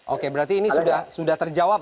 oke berarti ini sudah terjawab